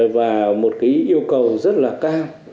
và một cái yêu cầu rất là cao